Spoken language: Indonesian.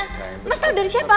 mas tahu dari siapa